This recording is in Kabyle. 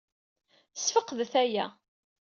Sfeqdet aya.